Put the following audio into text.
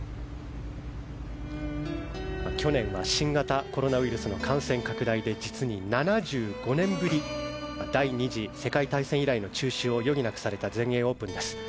去年は新型コロナウイルスの感染拡大で実に７５年ぶり第２次世界大戦以来の中止を余儀なくされた全英オープンです。